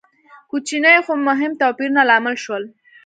کوچني خو مهم توپیرونه لامل شول.